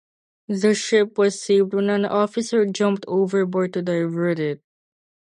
The ship was saved when an officer jumped overboard to divert it.